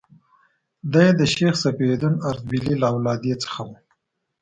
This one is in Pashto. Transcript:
دی د شیخ صفي الدین اردبیلي له اولادې څخه و.